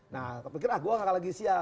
nah berpikir ah gua gak lagi siap